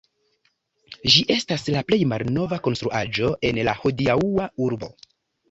Ĝi estas la plej malnova konstruaĵo en la hodiaŭa urbo.